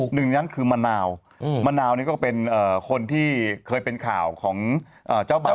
หนึ่งในนั้นคือมะนาวมะนาวนี่ก็เป็นคนที่เคยเป็นข่าวของเจ้าบ่าว